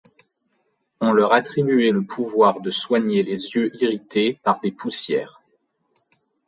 On leur attribuait le pouvoir de soigner les yeux irrités par des poussières.